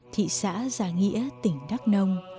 thị xã già nghĩa tỉnh đắk nông